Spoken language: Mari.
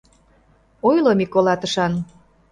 — Ойло, Микола, тышан.